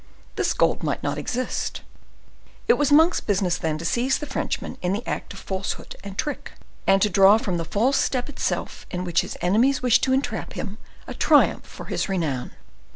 This gold might not exist. It was Monk's business, then, to seize the Frenchman in the act of falsehood and trick, and to draw from the false step itself in which his enemies wished to entrap him, a triumph for his renown.